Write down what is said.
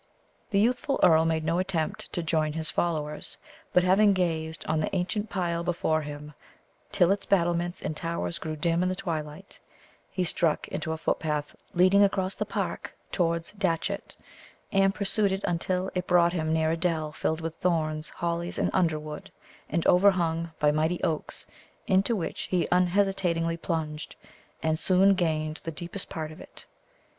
The youthful earl made no attempt to join his followers, but having gazed on the ancient pile before him till its battlements and towers grew dim in the twilight, he struck into a footpath leading across the park towards Datchet, and pursued it until it brought him near a dell filled with thorns, hollies, and underwood, and overhung by mighty oaks, into which he unhesitatingly plunged, and soon gained the deepest part of it.